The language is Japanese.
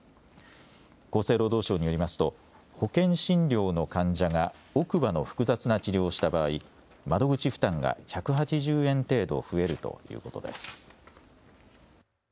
厚生労働省によりますと保険診療の患者が奥歯の複雑な治療をした場合、窓口負担が１８０円程度増えるということです。